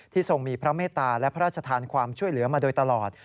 ทรงมีพระเมตตาและพระราชทานความช่วยเหลือมาโดยตลอด